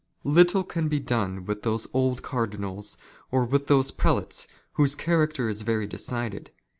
" Little can be done with those old cardinals or with those "prelates, whose character is very decided.